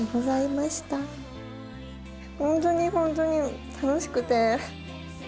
本当に本当に楽しくて。